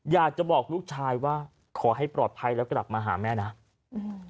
อยากจะบอกลูกชายว่าขอให้ปลอดภัยแล้วกลับมาหาแม่นะอืม